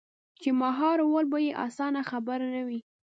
چـې مـهار ول بـه يـې اسـانه خبـره نـه وي.